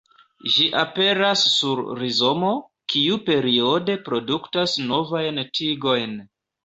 Ĝi aperas sur rizomo, kiu periode produktas novajn tigojn.